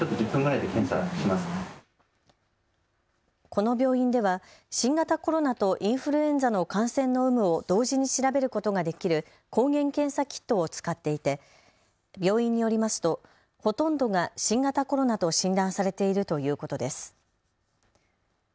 この病院では新型コロナとインフルエンザの感染の有無を同時に調べることができる抗原検査キットを使っていて病院によりますとほとんどが新型コロナと診断されているということです。